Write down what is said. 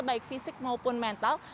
baik fisik maupun mental